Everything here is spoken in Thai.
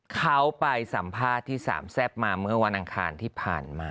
เขาไปสัมภาษณ์ที่สามแซ่บมาเมื่อวันอังคารที่ผ่านมา